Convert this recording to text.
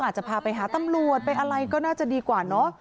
อาจจะพาไปหาตำรวจไปอะไรก็น่าจะดีกว่าเนอะ